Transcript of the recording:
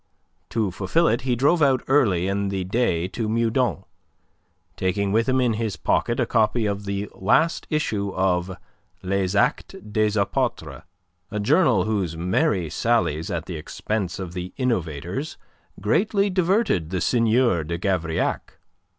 To fulfil it he drove out early in the day to Meudon, taking with him in his pocket a copy of the last issue of "Les Actes des Apotres," a journal whose merry sallies at the expense of the innovators greatly diverted the Seigneur de Gavrillac.